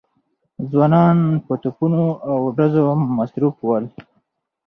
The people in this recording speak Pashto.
ځوانان په توپونو او ډزو مصروف ول.